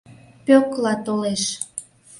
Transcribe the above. Пӧкла толеш.